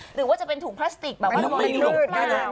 หรือว่าจะเป็นถุงพลาสติกแบบว่าไม่หลบไม่หลบ